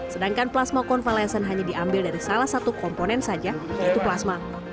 sedangkan plasma konvalesen hanya diambil dari salah satu komponen saja yaitu plasma